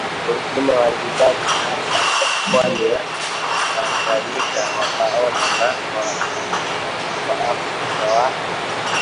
Wengine walibaki hapa pwani ya tanaganyika; wakaoana na waafrika wa